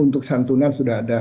untuk santunan sudah ada